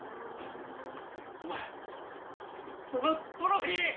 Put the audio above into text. お前そのトロフィー！